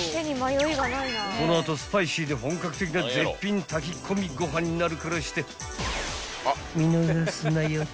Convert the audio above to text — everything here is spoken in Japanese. ［この後スパイシーで本格的な絶品炊き込みご飯になるからして］